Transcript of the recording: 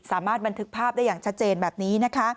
สามารถบันทึกภาพได้อย่างชัดเจนแบบนี้นะคะ